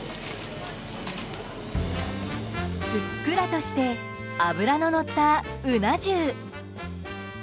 ふっくらとして脂ののったうな重。